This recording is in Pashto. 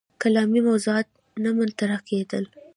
کلامي موضوعات نه مطرح کېدل.